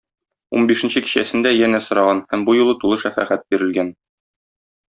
Унбишенче кичәсендә янә сораган һәм бу юлы тулы шәфәгать бирелгән.